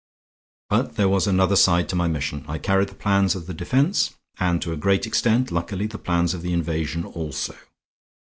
"But there was another side to my mission. I carried the plans of the defense; and to a great extent, luckily, the plans of the invasion also.